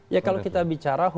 ya kalau kita bicara